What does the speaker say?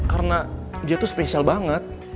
karena dia tuh spesial banget